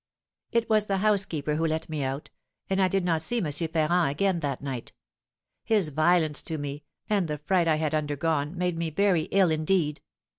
"It was the housekeeper who let me out, and I did not see M. Ferrand again that night. His violence to me, and the fright I had undergone, made me very ill indeed.